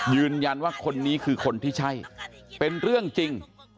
ยืนยันว่าคนนี้คือคนที่ใช่เป็นเรื่องจริง